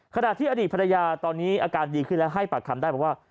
ขณะที่อดีตภรรยาตอนนี้อาการดีขึ้นและให้ปากคำได้บอกว่า